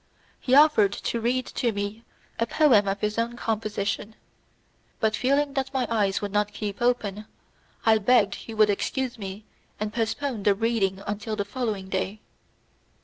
He offered to read to me a poem of his own composition, but, feeling that my eyes would not keep open, I begged he would excuse me and postpone the reading until the following day.